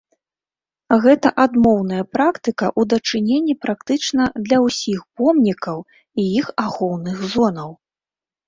Гэта адмоўная практыка ў дачыненні практычна для ўсіх помнікаў і іх ахоўных зонаў.